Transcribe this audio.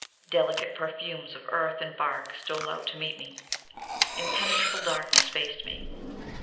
Delicate perfumes of earth and bark stole out to meet me. Impenetrable darkness faced me.